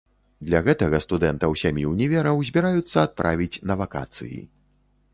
Для гэтага студэнтаў сямі ўнівераў збіраюцца адправіць на вакацыі.